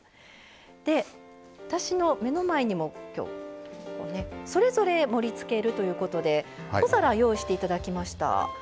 で私の目の前にも今日それぞれ盛りつけるということで小皿用意して頂きました。